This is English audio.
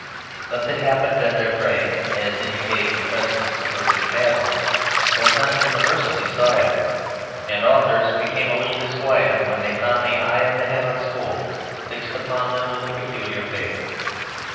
Thus it happened that their praise (as indicating the presence of a rich badness) was not universally sought after, and authors became a little disquieted when they found the eye of the Hammock School fixed upon them with peculiar favour.